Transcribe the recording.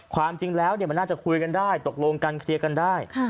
ความจริงแล้วมันน่าจะคุยกันได้ตกลงกันเคลียร์กันได้